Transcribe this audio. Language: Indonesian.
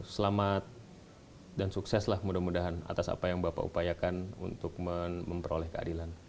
selamat dan sukseslah mudah mudahan atas apa yang bapak upayakan untuk memperoleh keadilan